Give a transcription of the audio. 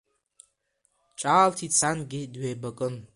Ҿаалҭит сангьы, дҩеибакын.